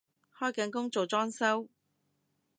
開緊工做裝修？